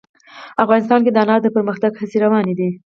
افغانستان کې د انار د پرمختګ هڅې روانې دي.